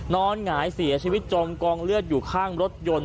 หงายเสียชีวิตจมกองเลือดอยู่ข้างรถยนต์